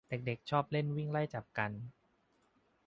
เด็กเด็กชอบเล่นวิ่งไล่จับกัน